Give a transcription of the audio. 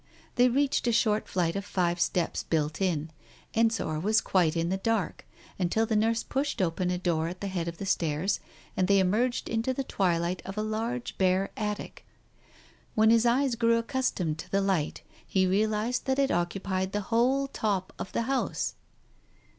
They reached a short flight of five steps, built in. Ensor was quite in the dark, until the nurse pushed open a door at the head of the stairs and they emerged into the twilight of a large bare attic. When his eyes grew accustomed to the light, he realized that it occupied the whole top of the house.